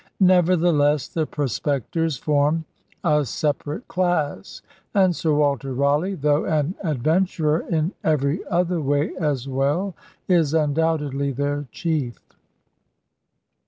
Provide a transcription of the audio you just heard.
Nevertheless the prospect ors form a separate class; and Sir Walter Raleigh, though an adventurer in every other way as well, is undoubtedly their chief.